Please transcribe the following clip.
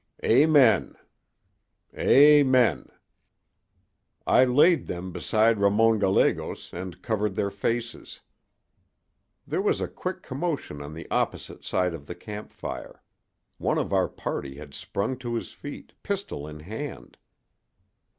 "'Amen!' "'Amen!' "I laid them beside Ramon Gallegos and covered their faces." There was a quick commotion on the opposite side of the campfire: one of our party had sprung to his feet, pistol in hand.